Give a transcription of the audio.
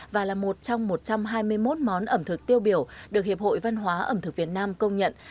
và là một trong một trăm hai mươi một món ẩm thực tiêu biểu được hiệp hội văn hóa ẩm thực việt nam công nhận